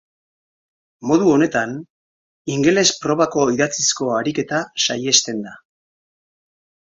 Modu honetan, ingeles probako idatzizko ariketa saihesten da.